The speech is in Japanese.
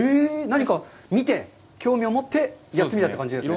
何か見て、興味を持って、やってみたという感じですか。